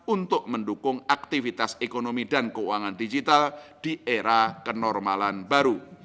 untuk mendukung aktivitas ekonomi dan keuangan digital di era kenormalan baru